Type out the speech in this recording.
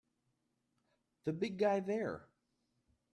The big guy there!